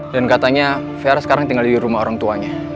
dan katanya vera sekarang tinggal di rumah orang tuanya